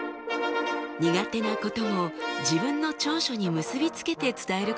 苦手なことも自分の長所に結び付けて伝えることができました。